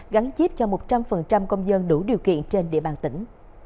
gắn chip cho một trăm linh công dân đủ điều kiện trên địa bàn tỉnh